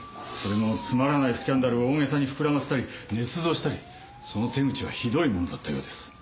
それもつまらないスキャンダルを大げさに膨らませたり捏造したりその手口はひどいものだったようです。